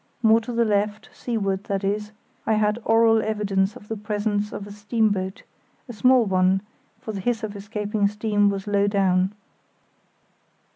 More to the left, seaward, that is, I had aural evidence of the presence of a steamboat—a small one, for the hiss of escaping steam was low down.